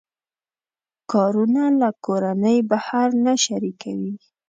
کارونه له کورنۍ بهر نه شریکوي.